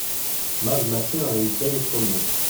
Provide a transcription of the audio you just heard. Ma d Massi yezga yeṭṭunuc.